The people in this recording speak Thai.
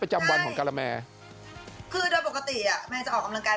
จำวันของการาแมคือโดยปกติอ่ะแมนจะออกกำลังกาย